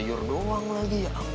udah abis tamu